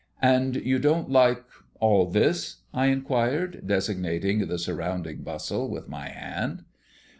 "And you don't like all this?" I inquired, designating the surrounding bustle with my hand.